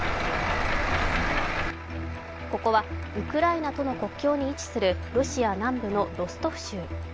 ここはウクライナとの国境に位置するロシア南部のロストフ州。